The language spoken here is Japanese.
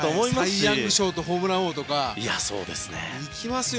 サイ・ヤング賞とホームラン王とか行きますよ。